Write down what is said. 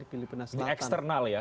di filipina selatan ini eksternal ya